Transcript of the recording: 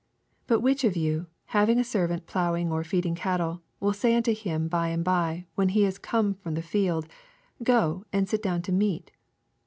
7 But which of you, having a ser vant plowing or reeding cattle, will say unto him by and by, when he is come from the ueld. Go and pit down to meat